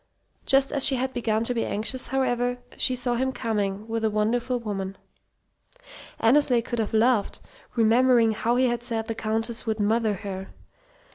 Just as she had begun to be anxious, however, she saw him coming with a wonderful woman. Annesley could have laughed, remembering how he had said the Countess would "mother" her.